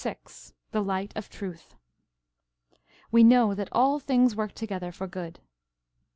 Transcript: THE LIGHT OF TRUTH "We know that all things work together for good."